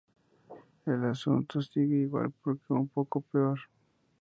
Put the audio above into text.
El asunto sigue igual aunque un poco peor.